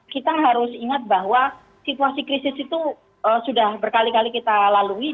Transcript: kita harus ingat bahwa situasi krisis itu sudah berkali kali kita lalui